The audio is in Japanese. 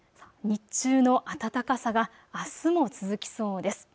日中の暖かさがあすも続きそうです。